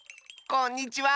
こんにちは！